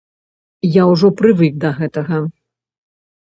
Я ўжо прывык да гэтага.